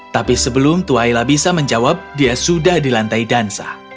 tapi sebelum twaila bisa menjawab dia sudah di lantai dansa